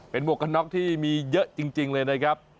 เป็นหมวกกันน็อกที่มีเยอะจริงเลยนะครับ